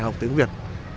học tiếng việt